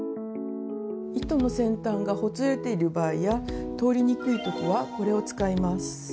糸の先端がほつれている場合や通りにくい時はこれを使います。